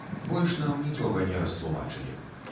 Больш нам нічога не растлумачылі.